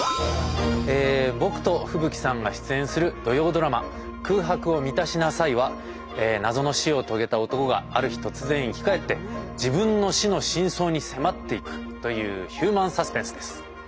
僕と風吹さんが出演する土曜ドラマ「空白を満たしなさい」は謎の死を遂げた男がある日突然生き返って自分の死の真相に迫っていくというヒューマン・サスペンスです。